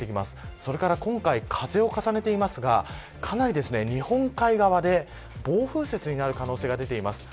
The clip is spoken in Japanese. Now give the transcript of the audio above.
それから今回風を重ねていますがかなり日本海側で暴風雪になる可能性が出ています。